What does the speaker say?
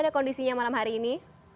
ada kondisinya malam hari ini